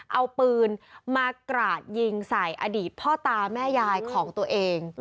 เอาปืนมากราดยิงใส่อดีตพ่อตาแม่ยายของตัวเอง